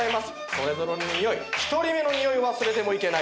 それぞれのにおい１人目のにおい忘れてもいけない。